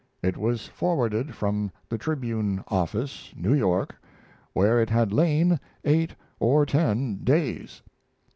It was forwarded from the Tribune office, New York where it had lain eight or ten days.